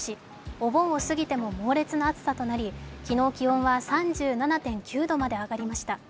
お盆を過ぎても猛烈な暑さとなり昨日は気温３７．９度まで上がりまし。